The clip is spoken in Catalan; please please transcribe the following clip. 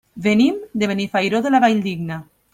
Venim de Benifairó de la Valldigna.